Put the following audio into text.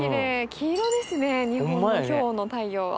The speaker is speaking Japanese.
黄色ですね日本の今日の太陽は。